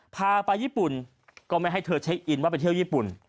พาไปญี่ปุ่นก็ไม่ให้เธอเช็คอินว่าไปเที่ยวญี่ปุ่น